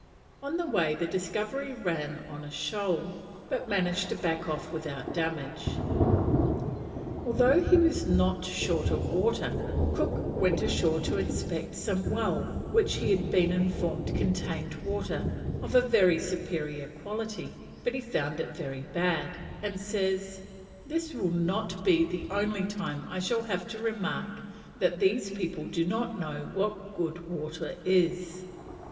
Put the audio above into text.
On the way the Discovery ran on a shoal, but managed to back off without damage. Although he was not short of water, Cook went ashore to inspect some well which he had been informed contained water of a very superior quality, but he found it very bad, and says: "This will not be the only time I shall have to remark that these people do not know what good water is."